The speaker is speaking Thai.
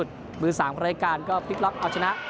เชมป์เก่า